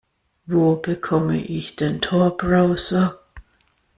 Wo bekomme ich den Tor-Browser?